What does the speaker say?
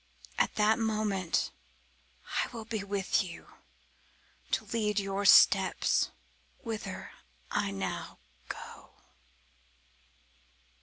At that moment I will be with you to lead your steps whither I now go."